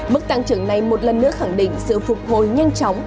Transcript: mức tăng trưởng này một lần nữa khẳng định sự phục hồi nhanh chóng